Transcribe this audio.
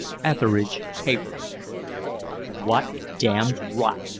Etheridge Hayward. "What damned rot!"